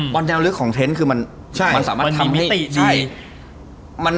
บอลแนวลึกของเท้นต์คือมันสามารถทำให้